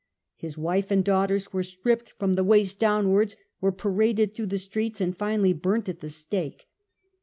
His wife and daughters were stripped from the waist downwards, were paraded through the streets and finally burnt at the stake.